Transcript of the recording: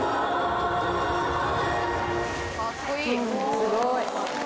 すごい。